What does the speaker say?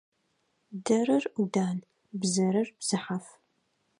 Дэрэр Ӏудан, бзэрэр бзыхьаф.